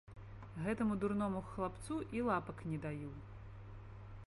Гэтаму дурному хлапцу і лапак не даю.